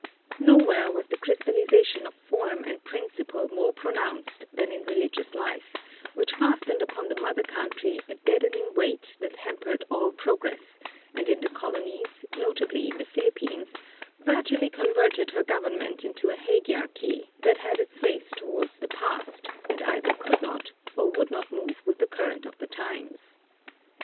Nowhere was the crystallization of form and principle more pronounced than in religious life, which fastened upon the mother country a deadening weight that hampered all progress, and in the colonies, notably in the Philippines, virtually converted her government into a hagiarchy that had its face toward the past and either could not or would not move with the current of the times.